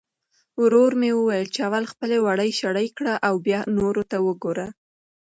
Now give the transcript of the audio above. ورور مې وویل چې اول خپلې وړۍ شړۍ کړه او بیا نورو ته وګوره.